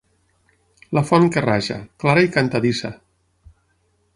La font que raja, clara i cantadissa.